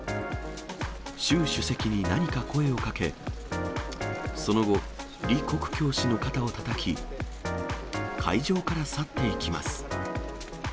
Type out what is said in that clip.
習主席に何か声をかけ、その後、李克強氏の肩をたたき、会場から去っていきます。